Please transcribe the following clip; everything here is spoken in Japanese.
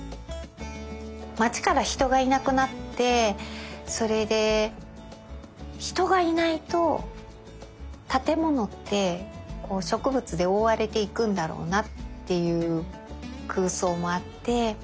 街から人がいなくなってそれで人がいないと建物って植物でおおわれていくんだろうなっていう空想もあって。